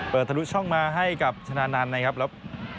เปิดทะลุช่องมาให้กับชนะนันนะครับ